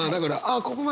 ここまで。